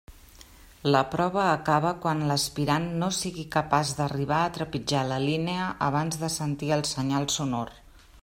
La prova acaba quan l'aspirant no sigui capaç d'arribar a trepitjar la línia abans de sentir el senyal sonor.